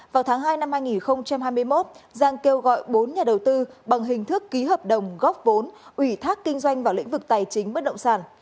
vào tháng hai năm hai nghìn hai mươi một giang kêu gọi bốn nhà đầu tư bằng hình thức ký hợp đồng góp vốn ủy thác kinh doanh vào lĩnh vực tài chính bất động sản